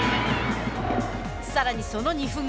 さらにその２分後。